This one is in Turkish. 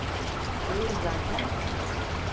Değilim zaten.